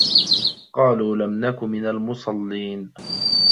قالوا لَم نَكُ مِنَ المُصَلّينَ